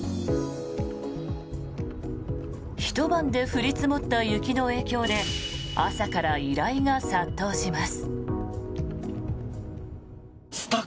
ひと晩で降り積もった雪の影響で朝から依頼が殺到します。